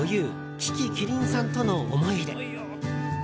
樹木希林さんとの思い出。